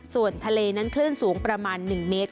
ส่วนทะเลนั้นคลื่นสูงประมาณ๑เมตร